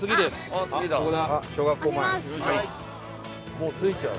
もう着いちゃう。